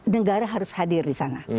negara harus hadir di sana